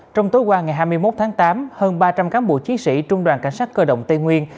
trong tối qua ngày hai mươi một tháng tám hơn ba trăm linh cán bộ chiến sĩ trung đoàn cảnh sát cơ động tây nguyên